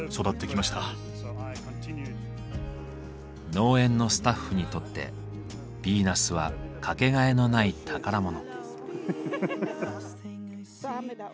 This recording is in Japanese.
農園のスタッフにとってヴィーナスは掛けがえのない宝物。